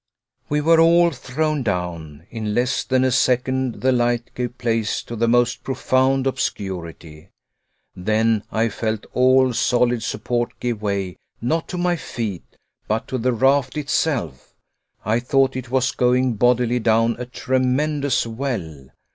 We were all thrown down. In less than a second the light gave place to the most profound obscurity. Then I felt all solid support give way not to my feet, but to the raft itself. I thought it was going bodily down a tremendous well.